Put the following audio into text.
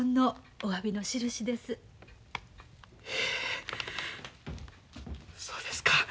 えそうですか。